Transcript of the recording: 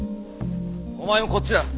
お前もこっちだ。